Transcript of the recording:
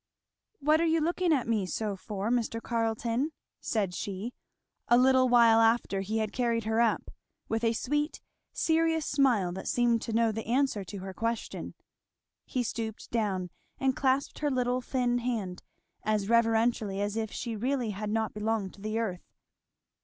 "What are you looking at me so for, Mr. Carleton?" said she, a little while after he had carried her up, with a sweet serious smile that seemed to know the answer to her question. He stooped down and clasped her little thin hand, as reverentially as if she really had not belonged to the earth.